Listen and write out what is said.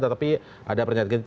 tetapi ada pernyataan